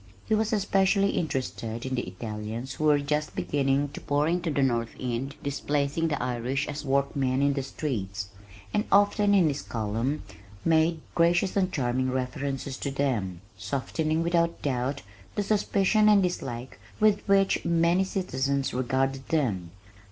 He was especially interested in the Italians who were just beginning to pour into The North End, displacing the Irish as workmen in the streets, and often in his column made gracious and charming references to them, softening without doubt the suspicion and dislike with which many citizens regarded them.